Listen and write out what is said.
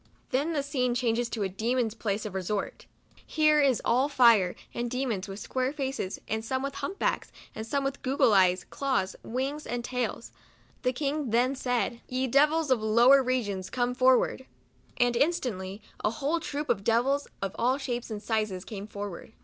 Then the scene changes to a demon's place of resort. Here all is fire and demons, with square faces, and some with hump backs and gog gle eyes, claws, wings, and tails. The king then said, " Ye devils of lower re gions, come forward !" And instantly a whole troop of devils, of all shapes and sizes, came forward.